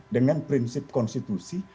dengan prinsip konstitusi